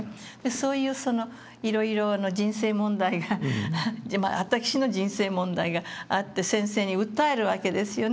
そういういろいろ人生問題が私の人生問題があって先生に訴えるわけですよね。